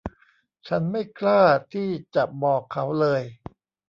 ฉันไม่กล้าที่จะบอกเขาเลย